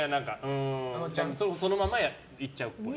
そのままいっちゃうっぽい。